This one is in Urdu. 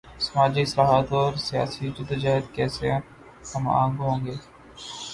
سماجی اصلاحات اور سیاسی جد و جہد کیسے ہم آہنگ ہوںگے؟